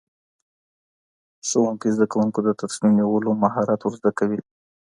ښوونکی زدهکوونکو ته د تصمیم نیولو مهارت ورزده کوي.